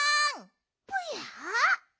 ぽや？